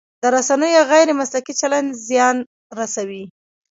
د رسنیو غیر مسلکي چلند زیان رسوي.